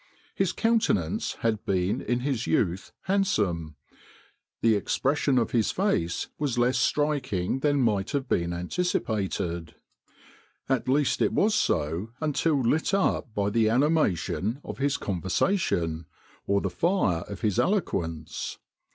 His countenance had been in his youth handsome. The expression of his face was less striking than might have been anticipated; at least it was so until lit up by the animation of his conversation, or the fire of his eloquence.